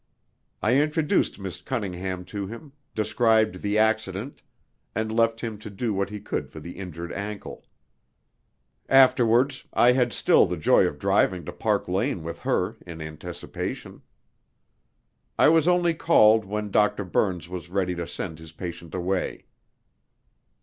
I introduced Miss Cunningham to him, described the accident, and left him to do what he could for the injured ankle. Afterwards I had still the joy of driving to Park Lane with her in anticipation. I was only called when Dr. Byrnes was ready to send his patient away.